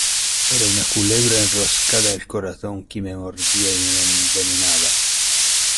era una culebra enroscada al corazón, que me mordía y me envenenaba.